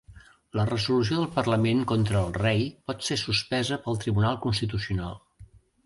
La resolució del Parlament contra el rei pot ser suspesa pel Tribunal Constitucional.